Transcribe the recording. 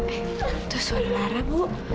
itu suara lara bu